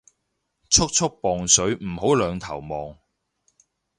速速磅水唔好兩頭望